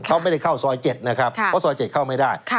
เขาไม่ได้เข้าซอย๗นะครับเพราะซอย๗เข้าไม่ได้